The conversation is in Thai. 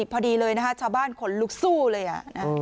พอดีเลยนะคะชาวบ้านขนลุกสู้เลย